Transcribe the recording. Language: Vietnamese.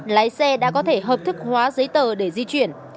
lái xe đã có thể hợp thức hóa giấy tờ để di chuyển